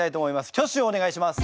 挙手をお願いします。